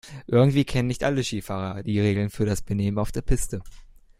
Irgendwie kennen nicht alle Skifahrer die Regeln für das Benehmen auf der Piste.